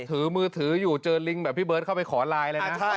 ถือมือถืออยู่เจอลิงแบบพี่เบิร์ตเข้าไปขอไลน์เลยนะ